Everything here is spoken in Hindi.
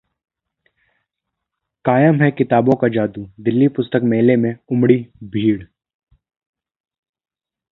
कायम है किताबों का जादू, दिल्ली पुस्तक मेले में उमड़ी भीड़